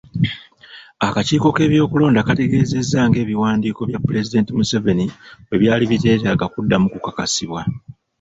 Akakiiko k'ebyokulonda kaategeezezza ng'ebiwandiiko bya Pulezidenti Museveni bwe byali biteetaaga kuddamu kakasibwa.